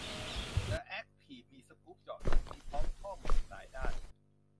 เดอะแอคทีฟมีสกู๊ปเจาะเรื่องนี้ พร้อมข้อมูลหลายด้าน